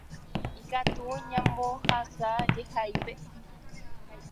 ikatu ñambohasa jehaípe.